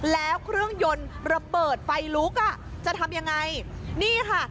แล้วเครื่องยนต์ระเบิดไฟลุกอ่ะจะทำยังไงนี่ค่ะ